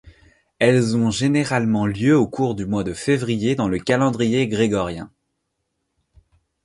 Elles ont généralement lieu au cours du mois de février dans le calendrier grégorien.